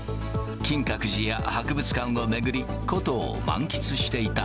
金閣寺や博物館を巡り、古都を満喫していた。